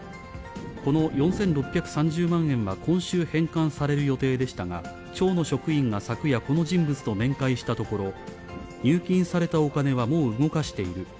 この４６３０万円は今週返還される予定でしたが、町の職員が昨夜、この人物と面会したところ、入金されたお金はもう動かしている。